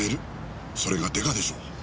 それがデカでしょう。